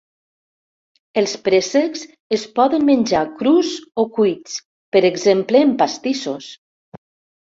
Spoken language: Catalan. Els préssecs es poden menjar crus o cuits, per exemple en pastissos.